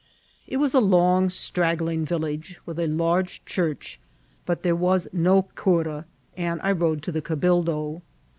It was a long, straggling village, with a large church, but there was no cura, and I rode to the cabildo.